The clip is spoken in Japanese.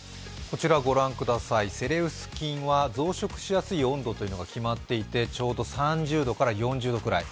セレウス菌は増殖しやすい温度というのが決まっていて、ちょうど３０度から４０度くらい。